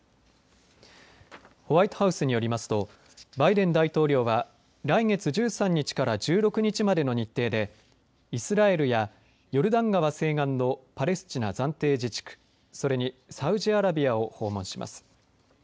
ホワイトハウスによりますとバイデン大統領は来月１３日から１６日までの日程でイスラエルやヨルダン川西岸のパレスチナ暫定自治区それにサウジアラビアを訪問します。